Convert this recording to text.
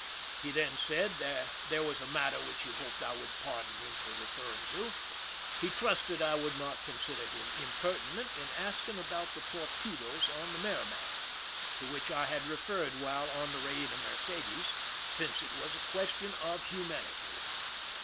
He then said there was a matter which he hoped I would pardon him for referring to : he trusted I would not con sider him impertinent in asking about the torpe does on the MerrimaCj to which I had referred while on the Beina Mercedes ^ since it was a question of humanity.